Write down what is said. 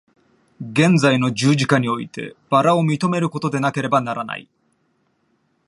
現在の十字架において薔薇を認めることでなければならない。